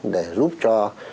để giúp cho